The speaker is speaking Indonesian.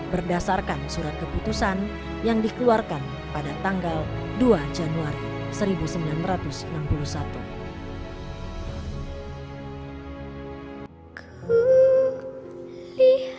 berdasarkan surat keputusan yang dikeluarkan pada tanggal dua januari seribu sembilan ratus enam puluh satu